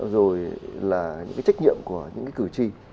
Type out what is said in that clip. rồi là những cái trách nhiệm của những cái cử tri